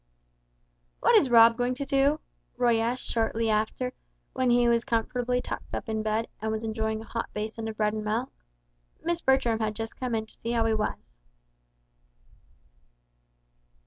"What is Rob going to do?" Roy asked, shortly after, when he was comfortably tucked up in bed, and was enjoying a hot basin of bread and milk. Miss Bertram had just come in to see how he was.